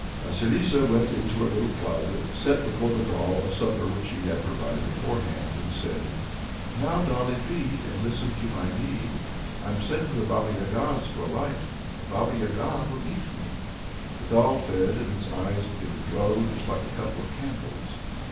Vasilissa went into her little closet, set before the doll a supper which she had provided beforehand, and said: "Now, dolly, feed, and listen to my need! I'm sent to the Baba Yaga's for a light. The Baba Yaga will eat me!" The doll fed, and its eyes began to glow just like a couple of candles.